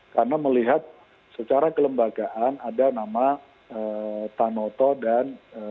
karena melihat secara kelembagaan ada nama tanoto dan